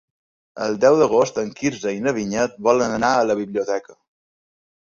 El deu d'agost en Quirze i na Vinyet volen anar a la biblioteca.